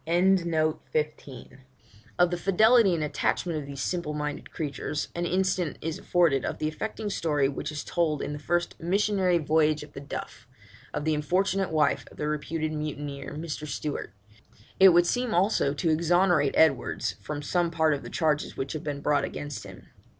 ' Of the fidelity and attachment of these simple minded creatures an instance is afforded in the affecting story which is told, in the first Missionary Voyage of the Duff, of the unfortunate wife of the reputed mutineer Mr. Stewart. It would seem also to exonerate Edwards from some part of the charges which have been brought against him.